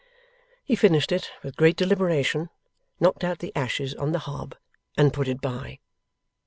He finished it with great deliberation, knocked out the ashes on the hob, and put it by.